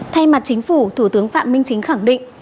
thay mặt chính phủ thủ tướng phạm minh chính khẳng định